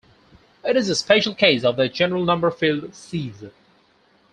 It is a special case of the general number field sieve.